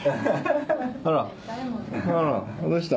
あらあらどうした？